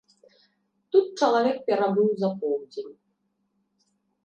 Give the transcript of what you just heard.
Тут чалавек перабыў за поўдзень.